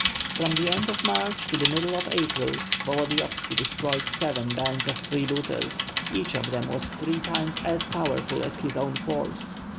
From the end of March to the middle of April, Volodiyovski destroyed seven bands of freebooters, each of which was three times as powerful as his own force.